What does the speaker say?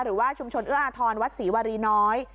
หรือว่าชุมชนจุดวรีค่ะ